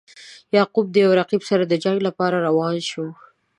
یعقوب د یو رقیب سره د جنګ لپاره روان شو.